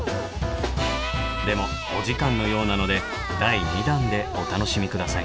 でもお時間のようなので第２弾でお楽しみ下さい。